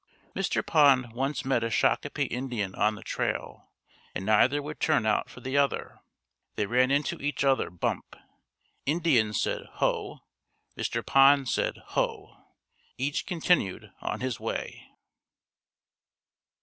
Mr. Pond once met a Shakopee Indian on the trail and neither would turn out for the other. They ran into each other "bump." Indian said "Ho." Mr. Pond said, "Ho." Each continued on his way.